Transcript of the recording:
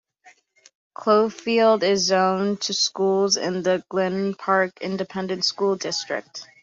Cloverleaf is zoned to schools in the Galena Park Independent School District.